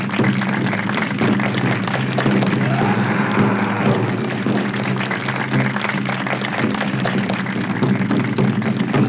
ถือเบอร์เดียวไม่เอาสองเบอร์